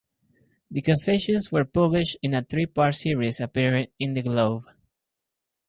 The confessions were published in a three-part series appearing in the "Globe".